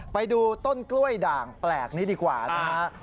ไปดูต้นกล้วยด่างแปลกนี้ดีกว่านะฮะ